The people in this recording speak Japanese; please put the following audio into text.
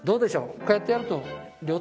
こうやってやると。